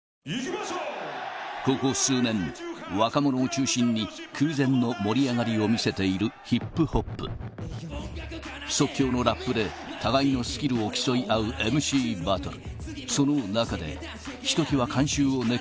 ここ数年若者を中心に空前の盛り上がりを見せているＨＩＰＨＯＰ即興のラップで互いのスキルを競い合うＭＣバトル